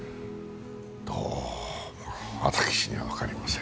どうも私には分かりません。